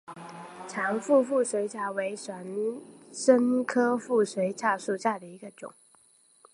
长穗腹水草为玄参科腹水草属下的一个种。